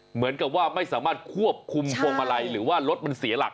เหมือนกับว่าไม่สามารถควบคุมพวงมาลัยหรือว่ารถมันเสียหลัก